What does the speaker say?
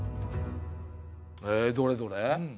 へえどれどれ？